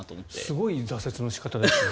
すごい挫折の仕方ですね。